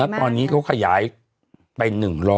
ตอนนี้เขาขยายไป๑๐๐